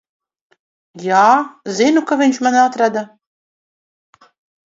Jā, zinu, kā viņš mani atrada.